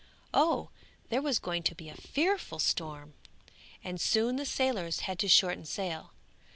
Oh, there was going to be a fearful storm! and soon the sailors had to shorten sail.